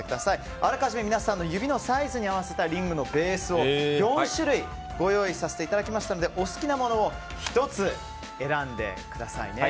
あらかじめ皆さんの指のサイズに合わせたリングのベースを４種類ご用意させていただきましたのでお好きなものを１つ選んでください。